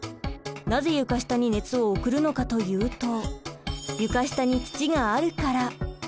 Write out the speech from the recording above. なぜ床下に熱を送るのかというと床下に土があるから！